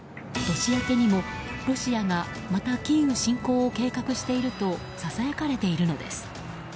年明けにもロシアがまたキーウ侵攻を計画しているとささやかれているのです。